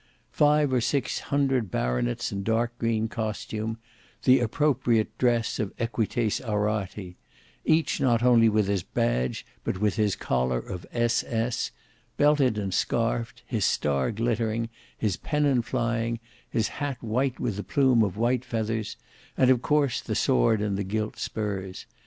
Five or six hundred baronets in dark green costume,—the appropriate dress of equites aurati; each not only with his badge, but with his collar of S.S.; belted and scarfed; his star glittering; his pennon flying; his hat white with a plume of white feathers; of course the sword and the gilt spurs.